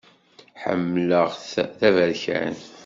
Ḥemmleɣ-t d aberkan.